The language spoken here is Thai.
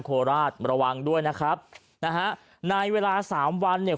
โคราชระวังด้วยนะครับนะฮะในเวลาสามวันเนี่ย